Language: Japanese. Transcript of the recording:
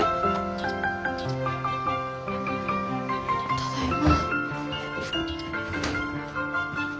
ただいま。